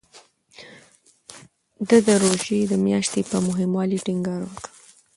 ده د روژې میاشتې په مهموالي ټینګار وکړ.